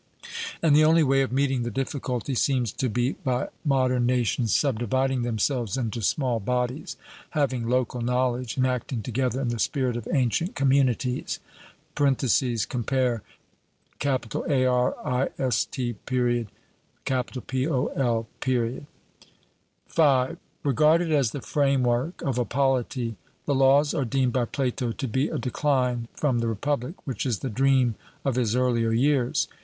And the only way of meeting the difficulty seems to be by modern nations subdividing themselves into small bodies having local knowledge and acting together in the spirit of ancient communities (compare Arist. Pol.) V. Regarded as the framework of a polity the Laws are deemed by Plato to be a decline from the Republic, which is the dream of his earlier years.